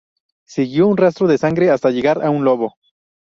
Siguió un rastro de sangre hasta llegar a un lobo.